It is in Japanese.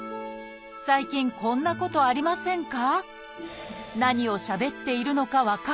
最近こんなことありませんか？